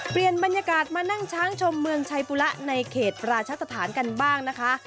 เปลี่ยนบรรยากาศมานั่งช้างชมเมืองชัยปุระในเขตราชสถานกันบ้างนะคะ